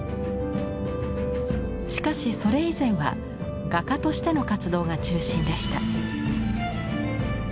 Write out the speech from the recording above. しかしそれ以前は画家としての活動が中心でした。